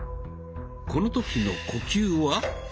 この時の呼吸は？